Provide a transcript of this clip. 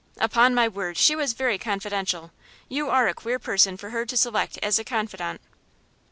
"Upon my word, she was very confidential. You are a queer person for her to select as a confidant."